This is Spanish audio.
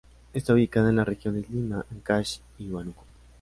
Está ubicada en las regiones Lima, Áncash y Huánuco.